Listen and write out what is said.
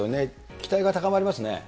期待が高まりますね。